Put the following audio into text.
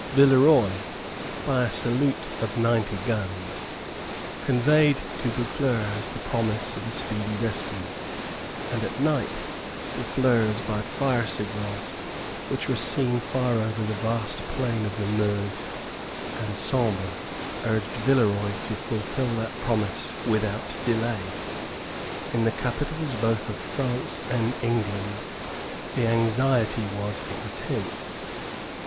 Villeroy, by a salute of ninety guns, conveyed to Boufflers the promise of a speedy rescue; and at night Boufflers, by fire signals which were seen far over the vast plain of the Meuse and Sambre, urged Villeroy to fulfil that promise without delay. In the capitals both of France and England the anxiety was intense.